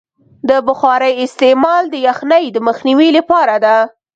د بخارۍ استعمال د یخنۍ د مخنیوي لپاره دی.